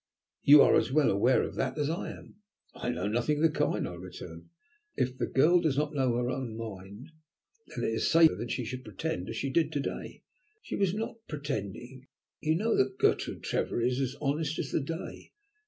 "You are as well aware of that as I am." "I know nothing of the kind," I returned. "If the girl does not know her own mind, then it is safer that she should pretend, as she did to day." "She was not pretending. You know that Gertrude Trevor is as honest as the day."